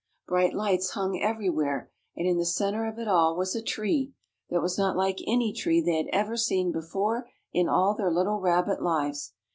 Bright lights hung everywhere, and in the center of it all was a tree—that was not like any tree they had ever seen before in all their little rabbit lives.